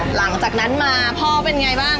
หลังจากนั้นมาพ่อเป็นไงบ้าง